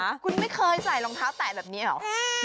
คุณไม่เคยใส่รองเท้าแตะแบบนี้เหรอ